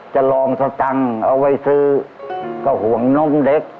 จะลองสตังค์เอาไว้ซื้อก็ห่วงนมเล็ก